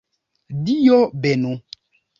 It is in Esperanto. Dio benu!